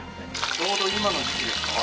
ちょうど今の時期ですか？